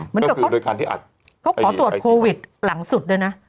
เหมือนกับเขาขอตรวจโควิดหลังสุดด้วยนะ